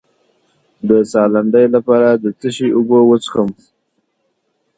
د ساه لنډۍ لپاره د څه شي اوبه وڅښم؟